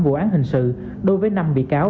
vụ án hình sự đối với năm bị cáo